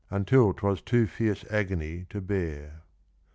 Until 'twas too fierce agony to bear.